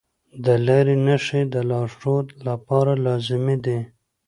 د لارې نښې د لارښود لپاره لازمي دي.